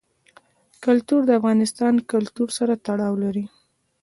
کلتور د افغان کلتور سره تړاو لري.